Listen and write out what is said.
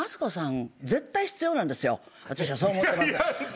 私はそう思ってます。